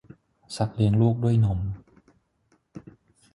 สัตว์เลี้ยงลูกด้วยนม